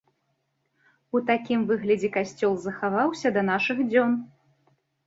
У такім выглядзе касцёл захаваўся да нашых дзён.